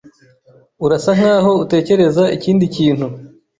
Urasa nkaho utekereza ikindi kintu.